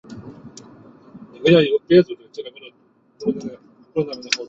亦是其中一个区间车终点站。